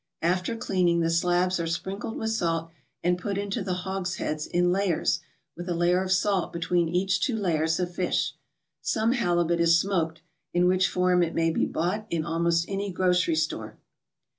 After cleaning, the slabs are sprinkled with salt and put into the hogsheads in layers with a layer of salt between each two layers of fish. Some halibut is smoked, in which form it may be bought in almost any grocery store.